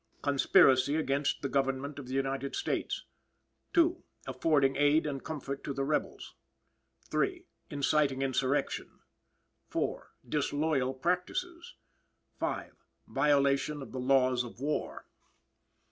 Conspiracy against the Government of the United States. 2. Affording aid and comfort to the rebels. 3. Inciting insurrection. 4. Disloyal practices. 5. Violation of the laws of war.